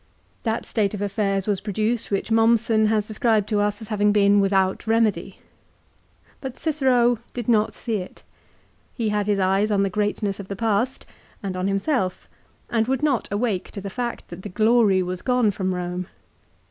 That state of affairs was produced which Mommsen has described to us as having been without remedy. But Cicero did not see it. He had his eyes on the greatness of the past, and on himself, and would not awake to the fact that the glory was gone from Eome.